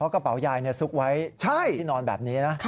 กระเป๋ายายซุกไว้ที่นอนแบบนี้นะ